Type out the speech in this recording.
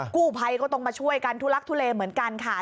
กู้ภัยก็ต้องมาช่วยกันทุลักทุเลเหมือนกันค่ะ